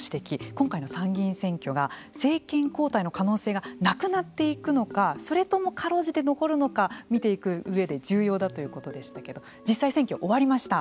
今回の参議院選挙が政権交代の可能性がなくなっていくのかそれとも残るのか見ていく上で重要だということでしたけれども実際選挙が終わりました。